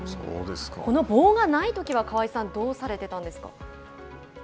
この棒がないときは、河合さんどうされてたんですか。